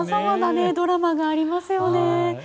様々なドラマがありますよね。